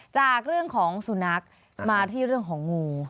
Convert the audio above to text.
จากเรื่องของสุนัขมาที่เรื่องของงู